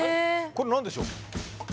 これ何でしょう？